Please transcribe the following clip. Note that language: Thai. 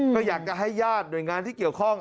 ก็อยากจะให้ญาติหน่วยงานที่เกี่ยวข้อง